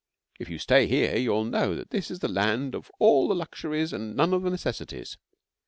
If you stay here you'll know that this is the land of all the luxuries and none of the necessities.